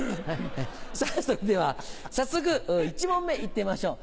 さぁそれでは早速１問目行ってみましょう。